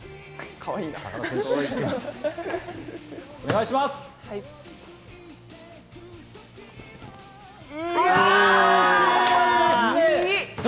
かわいいな。